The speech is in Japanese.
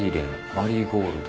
マリーゴールド。